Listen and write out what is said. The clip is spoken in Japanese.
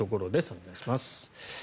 お願いします。